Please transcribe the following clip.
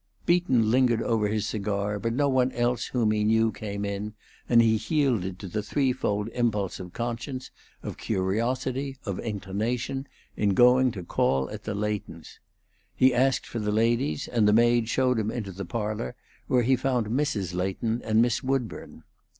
Beaton lingered over his cigar; but no one else whom he knew came in, and he yielded to the threefold impulse of conscience, of curiosity, of inclination, in going to call at the Leightons'. He asked for the ladies, and the maid showed him into the parlor, where he found Mrs. Leighton and Miss Woodburn.